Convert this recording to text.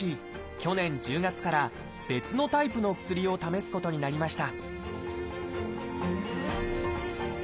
去年１０月から別のタイプの薬を試すことになりました